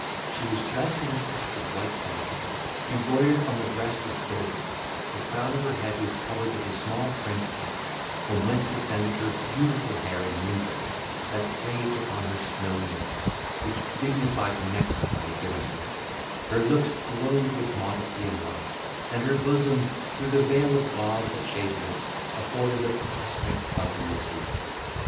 She was dressed in a sack of white satin, embroidered on the breast with gold, the crown of her head was covered with a small French cap, from whence descended her beautiful hair in ringlets that waved upon her snowy neck, which dignified the necklace I had given her; her looks glowed with modesty and love; and her bosom, through the veil of gauze that shaded it, afforded a prospect of Elysium!